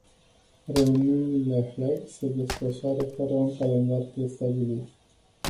Reuniunile hleg se desfășoară fără un calendar prestabilit.